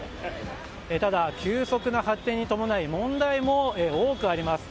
ただ、急速な発展に伴い問題も多くあります。